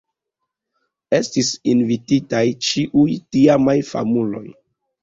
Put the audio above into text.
Estis invititaj ĉiuj tiamaj famuloj.